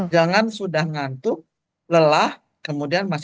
jangan sudah ngantuk lelah kemudian masuk